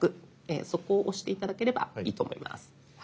そこを押して頂ければいいと思います。